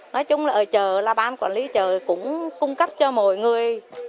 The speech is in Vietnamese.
nói chung là ở chợ là ban quản lý chợ cũng cung cấp cho mọi người